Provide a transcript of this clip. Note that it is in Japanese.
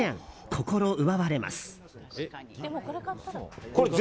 心奪われます。